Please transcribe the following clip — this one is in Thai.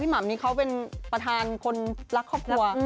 หม่ำนี้เขาเป็นประธานคนรักครอบครัว